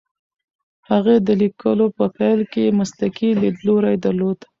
هغې د لیکلو په پیل کې مسلکي لیدلوری درلود.